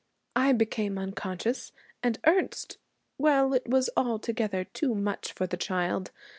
I became unconscious, and Ernest well, it was altogether too much for the child.